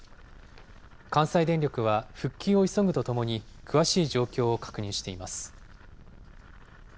関西電力は復旧を急ぐとともに、詳しい状況を確認しています。